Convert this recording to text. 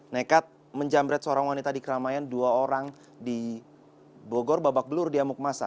nekat menjamret seorang wanita di keramaian dua orang di bogor babak belur di amuk masa